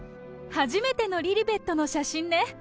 初めてのリリベットの写真ね。